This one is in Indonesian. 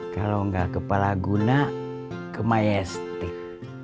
kalau enggak ke palaguna ke majestik